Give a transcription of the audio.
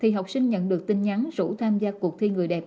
thì học sinh nhận được tin nhắn rủ tham gia cuộc thi người đẹp